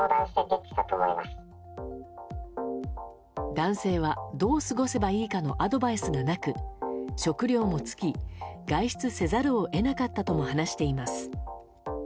男性は、どう過ごせばいいかのアドバイスがなく食料も尽き、外出せざるを得なかったとも話しています。